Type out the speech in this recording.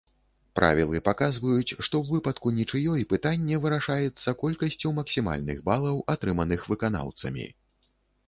Правілы паказваюць, што ў выпадку нічыёй, пытанне вырашаецца колькасцю максімальных балаў, атрыманых выканаўцамі.